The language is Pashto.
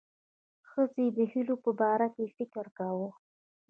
ښځې د هیلو په باره کې فکر کاوه.